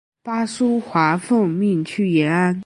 巴苏华奉命去延安。